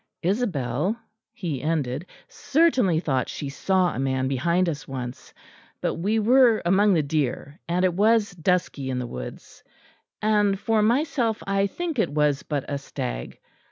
"Isabel," he ended, "certainly thought she saw a man behind us once; but we were among the deer, and it was dusky in the woods; and, for myself, I think it was but a stag.